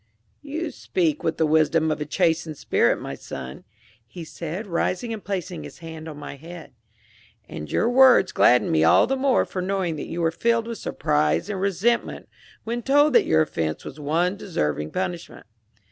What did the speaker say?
"You speak with the wisdom of a chastened spirit, my son," he said, rising and placing his hand on my head; "and your words gladden me all the more for knowing that you were filled with surprise and resentment when told that your offense was one deserving punishment.